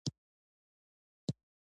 د دوی کار له یوه لوري ټولنیز کار ګڼل کېږي